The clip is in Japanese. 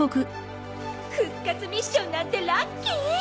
復活ミッションなんてラッキー！